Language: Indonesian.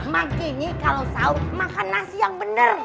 ma gini kalau sahur makan nasi yang bener